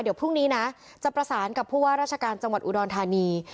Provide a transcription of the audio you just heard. เดี๋ยวพรุ่งนี้นะจะประสานกับผู้ว่าราชการจังหวัดอุดรธานี